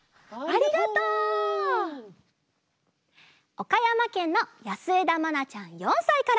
おかやまけんのやすえだまなちゃん４さいから。